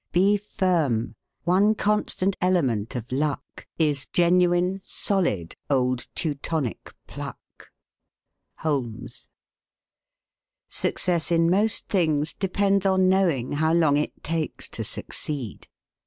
'" Be firm; one constant element of luck Is genuine, solid, old Teutonic pluck. Holmes. Success in most things depends on knowing how long it takes to succeed.